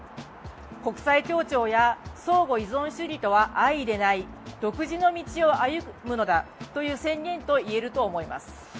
国際協調や相互依存主義とは相いれない独自の道を歩むのだという宣言だといえると思います。